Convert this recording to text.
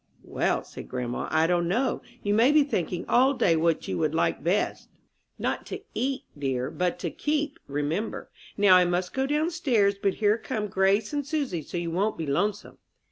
"Well," said grandma, "I don't know, You may be thinking all day what you would like best. Not to eat, dear, but to keep, remember. Now I must go down stairs but here come Grace and Susy, so you won't be lonesome."